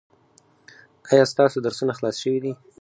ایا ستاسو درسونه خلاص شوي دي؟